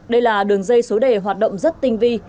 đây là đường dây số đề hoạt động rất tinh vi